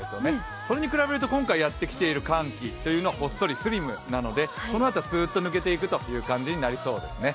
それに比べると今回やってきている寒気というのはほっそりスリムなのでこのあとはすっと抜けていく感じになりそうですね。